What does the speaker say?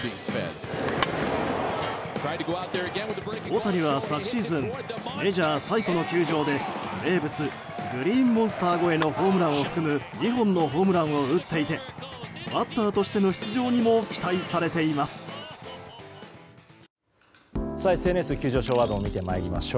大谷は昨シーズンメジャー最古の球場で名物グリーンモンスター越えのホームランを含む２本のホームランを打っていてバッターとしての出場にも期待されています。